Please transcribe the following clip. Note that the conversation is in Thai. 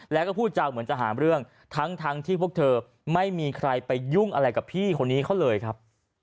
แล้วก็พูดจาเหมือนจะหาเรื่องทั้งที่พวกเธอไม่มีใครไปยุ่งอะไรกับพี่คนนี้เขาเลยครับ